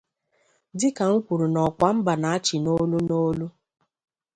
Dịka m kwuru n'ọkwa mba na-áchị n'olu n'olu